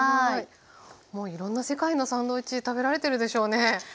もういろんな世界のサンドイッチ食べられてるでしょうね？